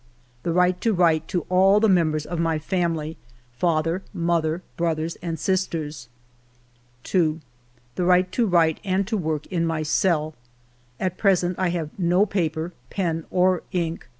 The right to write to all the members of my family, — father, mother, brothers, and sisters. ALFRED DREYFUS 79 " 2. The right to write and to work in my cell. ... At present I have no paper, pen, or ink.